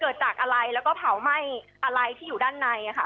เกิดจากอะไรแล้วก็เผาไหม้อะไรที่อยู่ด้านในค่ะ